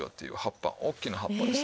大きな葉っぱです。